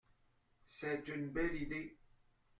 C’est une belle idée.